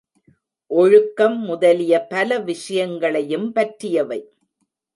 ஒழுக்கம் முதலிய பல விஷயங்களையும் பற்றியவை.